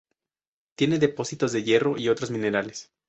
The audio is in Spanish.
Tiene depósitos de hierro y otros minerales.